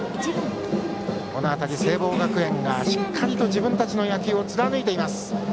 この辺り、聖望学園がしっかり自分たちの野球を貫いています。